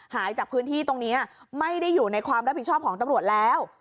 หายจากพื้นที่ตรงนี้ไม่ได้อยู่ในความรับผิดชอบของตำรวจแล้ว